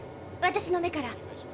私の目から。